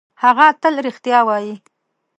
هغه تل رښتیا وايي.